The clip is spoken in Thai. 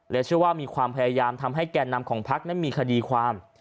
เชื่อว่ามีความพยายามทำให้แก่นำของพักนั้นมีคดีความ